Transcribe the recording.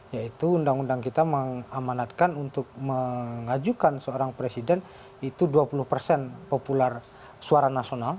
yaitu undang undang kita mengamanatkan untuk mengajukan seorang presiden itu dua puluh persen popular suara nasional